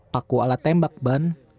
paku alat tembak ban